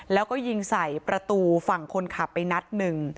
แล้วก็ยิงใส่ประตูฝั่งคนขับไปนัดหนึ่ง